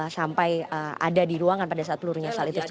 sampai ada di ruangan pada saat pelurunya sal itu sendiri